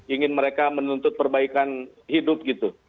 ingin mereka menuntut perbaikan hidup gitu